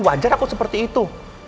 wajar aku seperti itu